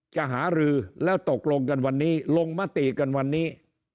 หารือแล้วตกลงกันวันนี้ลงมติกันวันนี้